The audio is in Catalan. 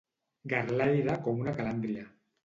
Garlaire com una calàndria.